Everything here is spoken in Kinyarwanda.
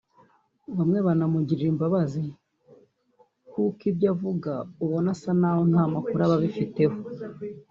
Bamwe banamugirira imbabazi kuko ibyo avuga ubona asa naho nta makuru aba abifiteho